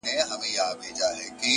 له يوه كال راهيسي؛